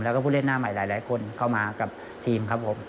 แล้วก็ผู้เล่นหน้าใหม่หลายคนเข้ามากับทีมครับผม